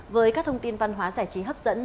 với các thông tin văn hóa giải trí hấp dẫn